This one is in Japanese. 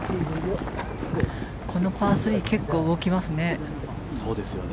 このパー３結構動きますね。